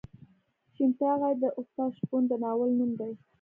شین ټاغی د استاد شپون د ناول نوم دی.